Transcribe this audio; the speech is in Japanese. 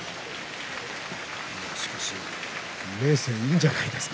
しかし明生よくなったんじゃないですか。